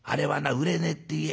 売れねえって言え。